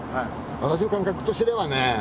私の感覚とすればね